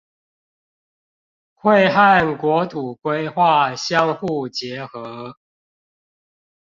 會和國土規劃相互結合